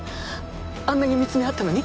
あんなに見つめ合ったのに？